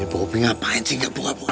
eh papi ngapain sih nggak buka buka